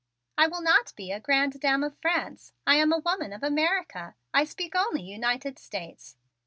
"I will not be a grande dame of France. I am a woman of America. I speak only United States."